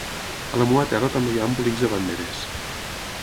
A la meva terra també hi ha embolics de banderes.